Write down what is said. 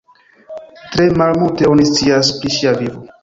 Tre malmulte oni scias pri ŝia vivo.